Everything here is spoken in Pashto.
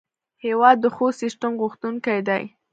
هېواد د ښو سیسټم غوښتونکی دی.